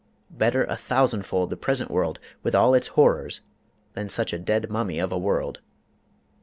Better a thousandfold the present world with all its horrors than such a dead mummy of a world.